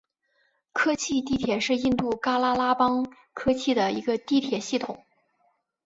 科契地铁是印度喀拉拉邦科契的一个地铁系统。